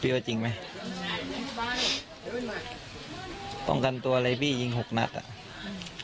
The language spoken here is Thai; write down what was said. พี่ว่าจริงไหมอืมต้องกันตัวอะไรพี่ยิงหกนัดอ่ะอืม